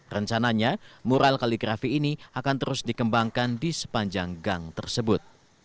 rencananya mural kaligrafi ini akan terus dikembangkan di sepanjang gang tersebut